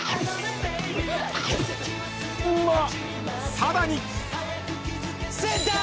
［さらに］